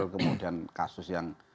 kemudian kasus yang